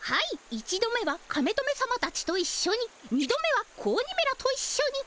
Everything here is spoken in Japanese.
１度目はカメトメさまたちといっしょに２度目は子鬼めらといっしょに。